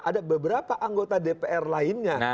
ada beberapa anggota dpr lainnya